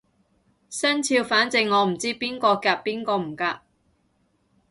生肖反正我唔知邊個夾邊個唔夾